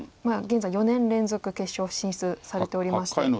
現在４年連続決勝進出されておりまして。